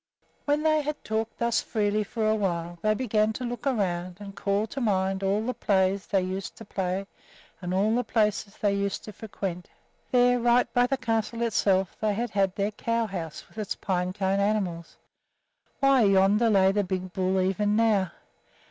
When they had talked thus freely for a while they began to look around and call to mind all the plays they used to play and all the places they used to frequent. There, right by the castle itself, they had had their cow house with its pine cone animals why, yonder lay the big bull even now!